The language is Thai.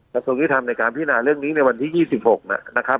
กระทบกิจธรรมในการพินาศเรื่องนี้ในวันที่ยี่สิบหกน่ะนะครับ